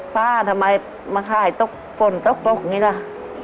ป้าทำไมมาขายฝนตกกรกนี่ด้า